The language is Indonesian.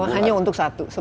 hanya untuk satu